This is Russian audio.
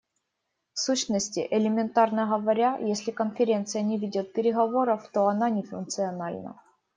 В сущности, элементарно говоря, если Конференция не ведет переговоров, то она не функциональна.